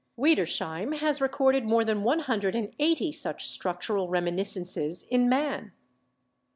Wiedersheim has recorded more than one hundred and eighty such struc tural reminiscences in man.